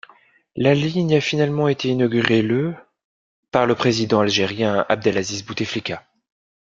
La ligne a finalement été inaugurée le par le président algérien Abdelaziz Bouteflika.